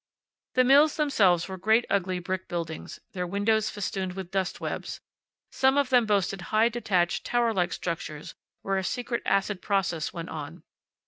The mills themselves were great ugly brick buildings, their windows festooned with dust webs. Some of them boasted high detached tower like structures where a secret acid process went on.